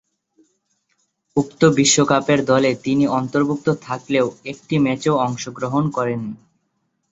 উক্ত বিশ্বকাপের দলে তিনি অন্তর্ভুক্ত থাকলেও একটি ম্যাচেও অংশগ্রহণ করেননি।